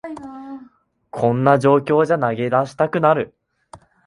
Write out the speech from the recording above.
こんな状況じゃ投げ出したくなる